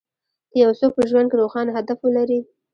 که يو څوک په ژوند کې روښانه هدف ولري.